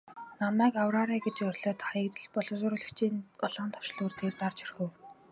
Намайг авраарай гэж орилоод Хаягдал боловсруулагчийн улаан товчлуур дээр дарж орхив.